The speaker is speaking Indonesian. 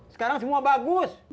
sekarang semua bagus